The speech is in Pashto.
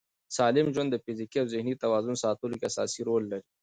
سالم ژوند د فزیکي او ذهني توازن ساتلو کې اساسي رول لري.